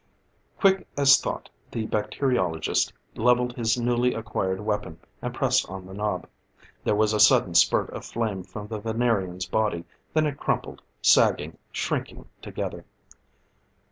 Quick as thought, the bacteriologist leveled his newly acquired weapon, and pressed on the knob. There was a sudden spurt of flame from the Venerian's body; then it crumpled, sagging, shrinking together.